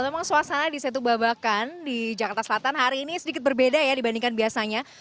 memang suasana di setubabakan di jakarta selatan hari ini sedikit berbeda ya dibandingkan biasanya